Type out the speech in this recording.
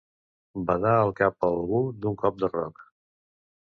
Badar el cap a algú d'un cop de roc.